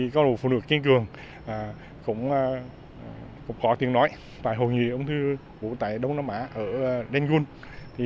các bộ phụ nữ kinh cường cũng có tiện nổi tại hồ nghĩa ông thư vũ tài đông nam á ở đen gung